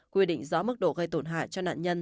quy định rõ mức độ gây tổn hại cho nạn nhân